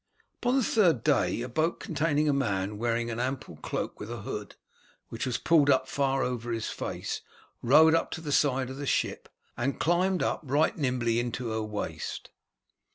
Upon the third day a boat containing a man wearing an ample cloak with a hood, which was pulled far over his face, rowed up to the side of the ship, and climbed up right nimbly into her waist.